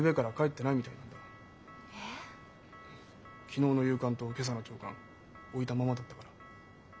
昨日の夕刊と今朝の朝刊置いたままだったから。